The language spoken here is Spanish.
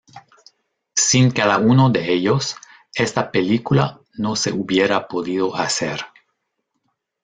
Sin cada uno de ellos, esta película no se hubiera podido hacer.